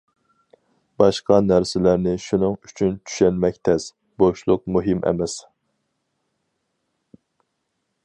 باشقا نەرسىلەرنى شۇنىڭ ئۈچۈن چۈشەنمەك تەس. بوشلۇق مۇھىم ئەمەس.